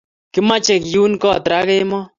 Kimache kiun kat raa kemoi